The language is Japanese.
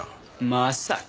まさか。